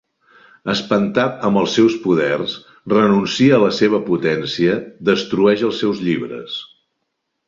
Espantat amb els seus poders, renuncia a la seva potència, destrueix els seus llibres.